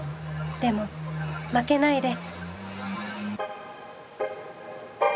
でも負けないで！